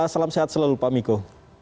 salam sehat selalu pak miko